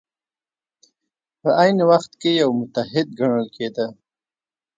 په عین وخت کې یو متحد ګڼل کېده.